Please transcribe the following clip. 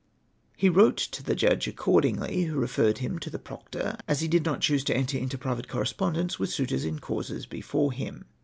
He wrote to the Judge accordingly, who referred him to the Proctor, as he did not choose to enter into private correspondence Avith suitors in causes before him.